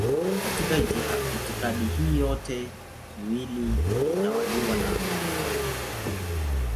Katika itikadi hii yote miwili ilitawaliwa na Wayahudi.